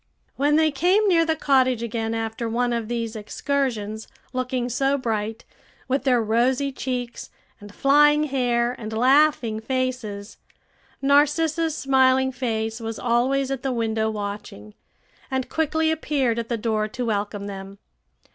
When they came near the cottage again after one of these excursions, looking so bright, with their rosy cheeks, and flying hair, and laughing faces, Narcissa's smiling face was always at the window watching, and quickly appeared at the door to welcome them.